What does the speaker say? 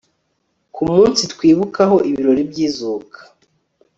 ku munsi twibukaho ibirori by'izuka